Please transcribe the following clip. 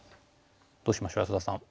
どうしましょう安田さん。